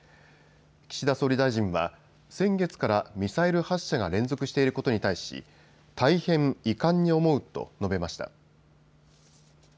岸田総理大臣は先月からミサイル発射が連続していることに対し大変遺憾に思うと述べました。